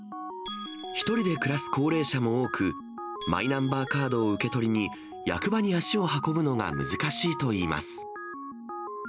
１人で暮らす高齢者も多く、マイナンバーカードを受け取りに、役場に足を運ぶのが難しいといいます。